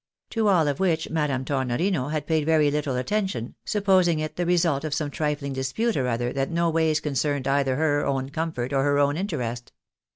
To all of which Madame Tornorino had paid very little attention, supposing it the result of some trifling dispute or other that no ways concerned either her own comfort or her own in terest.